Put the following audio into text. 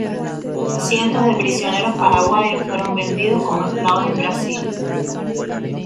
Cientos de prisioneros paraguayos fueron vendidos como esclavos en Brasil.